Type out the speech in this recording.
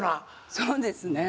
そうですね。